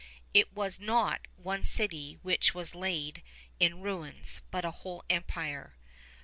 It was not one city which was laid in ruins, but a whole empire.